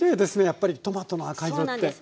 やっぱりトマトの赤色って。